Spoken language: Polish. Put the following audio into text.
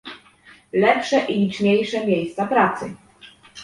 lepsze i liczniejsze miejsca pracy